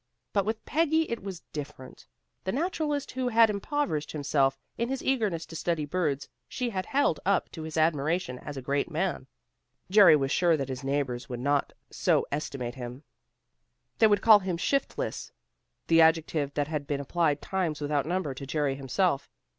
But with Peggy it was different. The naturalist who had impoverished himself in his eagerness to study birds, she had held up to his admiration as a great man. Jerry was sure that his neighbors would not so estimate him. They would call him "shiftless," the adjective that had been applied times without number to Jerry himself.